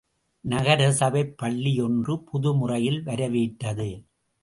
நகர சபைப் பள்ளி ஒன்று புதுமுறையில் வரவேற்றது.